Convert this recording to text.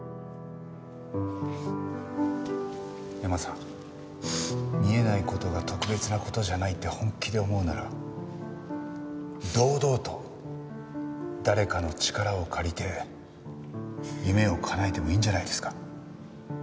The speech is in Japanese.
恵麻さん見えない事が特別な事じゃないって本気で思うなら堂々と誰かの力を借りて夢を叶えてもいいんじゃないですか？